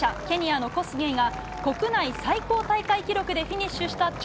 ケニアのコスゲイが国内最高大会記録でフィニッシュした